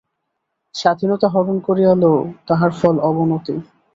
স্বাধীনতা হরণ করিয়া লও, তাহার ফল অবনতি।